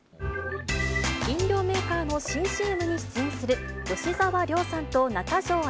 飲料メーカーの新ＣＭに出演する、吉沢亮さんと中条あ